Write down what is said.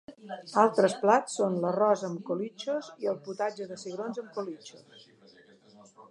Altres plats són l'arròs amb colitxos i el potatge de cigrons amb colitxos.